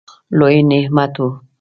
لوی نعمت وو.